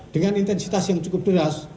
dengan intensitas yang cukup deras